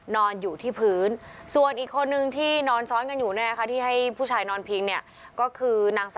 นอนอยู่ที่พื้นส่วนอีกคนนึงที่นอนช้อนกันอยู่นั่นแหละค่ะ